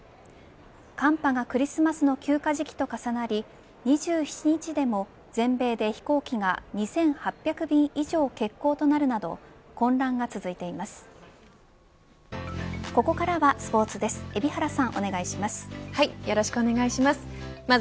寒波がクリスマスの休暇時期と重なり２７日でも、全米で飛行機が２８００便以上欠航となるなど混乱が続いています。